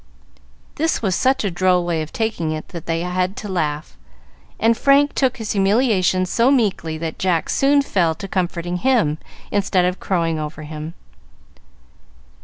This was such a droll way of taking it, that they had to laugh; and Frank took his humiliation so meekly that Jack soon fell to comforting him, instead of crowing over him.